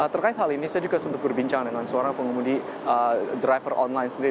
terkait hal ini saya juga sempat berbincang dengan seorang pengemudi driver online sendiri